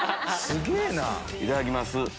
いただきます！